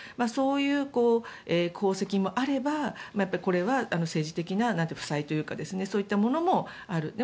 そういう功績もあれば政治的な負債というかそういったものもある。